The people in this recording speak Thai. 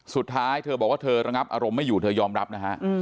สุดท้ายเธอบอกว่าเธอระงับอารมณ์ไม่อยู่เธอยอมรับนะฮะ